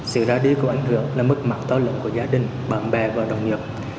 sự ra đi có ảnh hưởng là mức mạng to lớn của gia đình bạn bè và đồng nghiệp